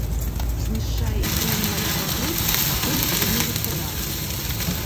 Знішчае ікру і малявак рыб, шкодзіць рыбнай гаспадарцы.